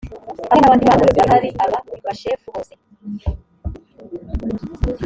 hamwe n abandi bana batari aba bashefu bose